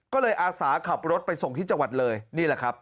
ก็เลยอาสาขับรถไปส่งที่จังหวัดเลยนี่แหละครับ